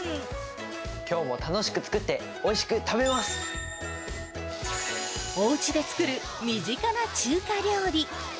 きょうも楽しく作って、おうちで作る身近な中華料理。